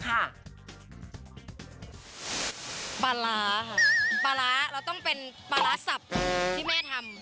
ปลาร้าค่ะปลาร้าเราต้องเป็นปลาร้าสับที่แม่ทำ